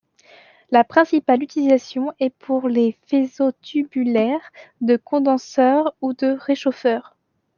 La principale utilisation est pour les faisceaux tubulaires de condenseur ou de réchauffeur.